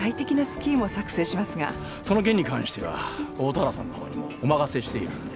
その件に関しては大田原さんのほうにもうお任せしているんで。